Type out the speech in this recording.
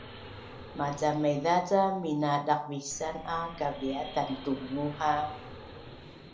Maca maiza ca minadaqvisan a kaviaz tantungu ha